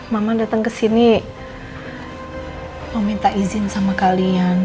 mama datang kesini mau minta izin sama kalian